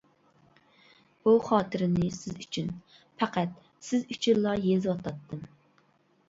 بۇ خاتىرىنى سىز ئۈچۈن پەقەت سىز ئۈچۈنلا يېزىۋاتاتتىم.